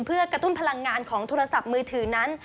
เพื่อกระตุ้นพลังงานของโทรศัพท์มือถือนั้น